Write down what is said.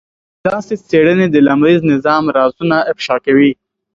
داسې څېړنې د لمریز نظام رازونه افشا کوي.